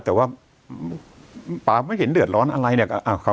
แต่ว่าป๊าไม่เห็นเดือดร้อนอะไรเนี่ย